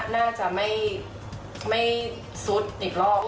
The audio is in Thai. น่าจะไม่ซุดอีกรอบ